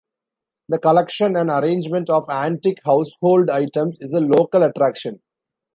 The collection and arrangement of antique household items is a local attraction.